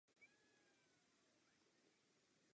Květní úbory jsou jednotlivě na konci větviček lodyhy.